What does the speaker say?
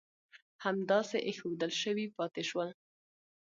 همداسې اېښودل شوي پاتې شول.